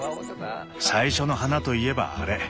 最初の花といえばあれ。